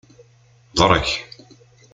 Ḍreg.